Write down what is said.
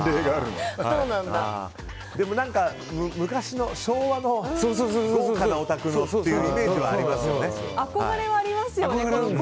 でも、昔の昭和の豪華なお宅のっていう憧れはありますよ